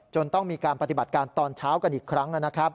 ต้องมีการปฏิบัติการตอนเช้ากันอีกครั้งนะครับ